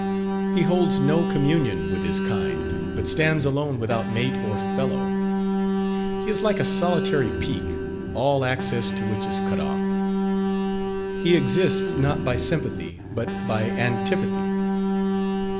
He holds no communion with his kind, but stands alone without mate or fellow. He is like a solitary peak, all access to which is cut off. He exists not by sympathy but by antipathy.